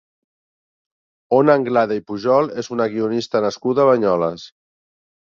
Ona Anglada i Pujol és una guionista nascuda a Banyoles.